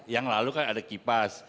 yang lalu kan ada kipas